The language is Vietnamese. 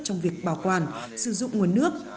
trong việc bảo quản sử dụng nguồn nước